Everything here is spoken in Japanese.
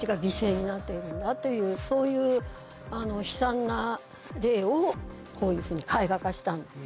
そういう悲惨な例をこういうふうに絵画化したんですね。